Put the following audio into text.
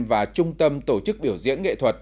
và trung tâm tổ chức biểu diễn nghệ thuật